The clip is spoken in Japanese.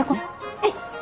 はい！